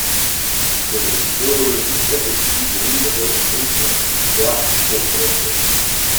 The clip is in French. Ce zoologiste étudie de nombreux groupes d’arthropodes.